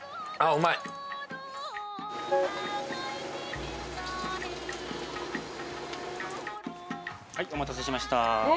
うまいはいお待たせしました